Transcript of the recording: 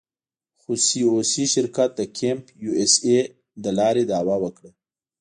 خو سي او سي شرکت د کمپ یو اس اې له لارې دعوه وکړه.